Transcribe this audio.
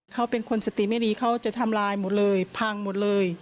เขาเป็นคนสติไม่ดีเขาจะทำลายหมดเลยพังหมดเลย